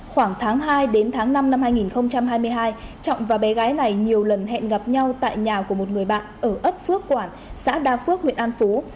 khoảng tháng hai đến tháng năm năm hai nghìn hai mươi hai trọng và bé gái này nhiều lần hẹn gặp nhau tại nhà của một người bạn ở ấp phước quản xã đa phước huyện an phú